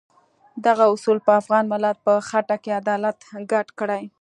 دغه اصول په افغان ملت په خټه کې عدالت ګډ کړی.